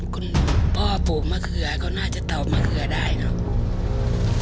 คุณพ่อปลูกมะเขือก็น่าจะเตามะเขือได้เนอะ